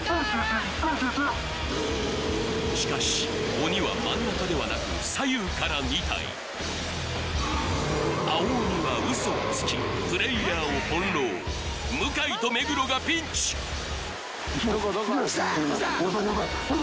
しかし鬼は真ん中ではなく左右から２体青鬼はウソをつきプレイヤーを翻弄向井と目黒がピンチどこどこ？